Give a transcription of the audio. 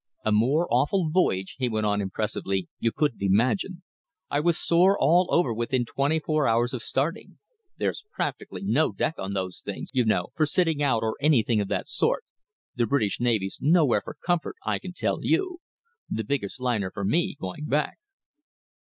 A more awful voyage," he went on impressively, "you couldn't imagine. I was sore all over within twenty four hours of starting. There's practically no deck on those things, you know, for sitting out or anything of that sort. The British Navy's nowhere for comfort, I can tell you. The biggest liner for me, going back!"